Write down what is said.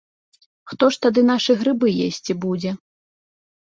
Хто ж тады нашы грыбы есці будзе?